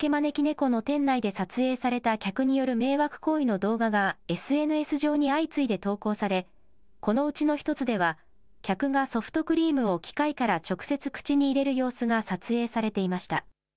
この店内で撮影された客による迷惑行為の動画がＳＮＳ上に相次いで投稿され、このうちの一つでは、客がソフトクリームを機械から直接口に入れる様子が撮影されていました。